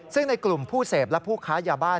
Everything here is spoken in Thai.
ซึ่งในกลุ่มผู้เสพและผู้ค้ายาบ้า